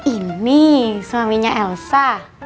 ini suaminya elsa